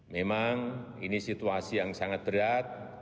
memang ini situasi yang sangat berat